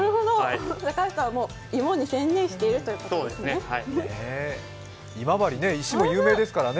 高橋さんは芋に専念しているということですね。